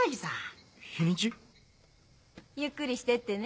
ゆっくりしてってね。